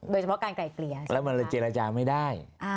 โดยเฉพาะการไกลเกลี่ยแล้วมันเลยเจรจาไม่ได้